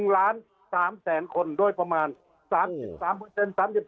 ๑ล้าน๓แสนคนโดยประมาณ๓๓เปอร์เซ็นต์